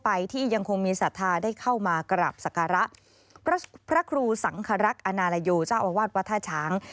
อังคารักษ์อนาลโยเจ้าอวาดวัทธาช้าง